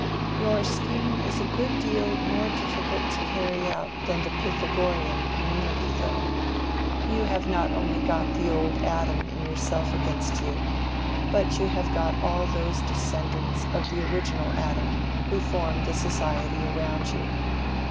"Your scheme is a good deal more difficult to carry out than the Pythagorean community, though. You have not only got the old Adam in yourself against you, but you have got all those descendants of the original Adam who form the society around you.